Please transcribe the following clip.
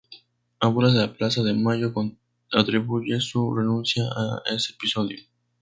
Abuelas de Plaza de Mayo atribuye su renuncia a ese episodio.